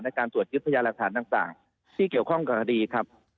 การตรวจยึดพยานหลักฐานต่างที่เกี่ยวข้องกับคดีครับ